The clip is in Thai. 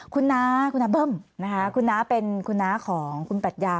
คุณนะค่ะคุณณเป็นคุณณของคุณปัชยา